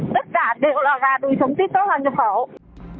tất cả đều là gà đùi sống tiếp tốt là nhập khẩu